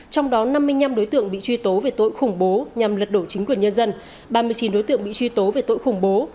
trong đó năm mươi năm đối tượng bị truy tố về tội khủng bố nhằm lật đổ chính quyền nhân dân ba mươi chín đối tượng bị truy tố về tội khủng bố